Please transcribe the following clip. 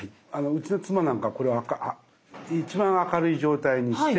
うちの妻なんかこれ一番明るい状態にして。